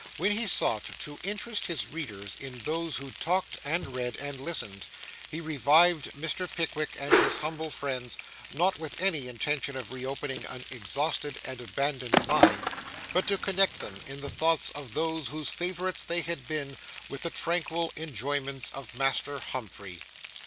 When he sought to interest his readers in those who talked, and read, and listened, he revived Mr. Pickwick and his humble friends; not with any intention of re opening an exhausted and abandoned mine, but to connect them in the thoughts of those whose favourites they had been, with the tranquil enjoyments of Master Humphrey.